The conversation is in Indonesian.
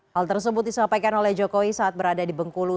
hal tersebut disampaikan oleh jokowi saat berada di bengkulu